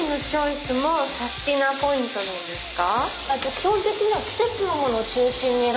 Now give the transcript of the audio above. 基本的には。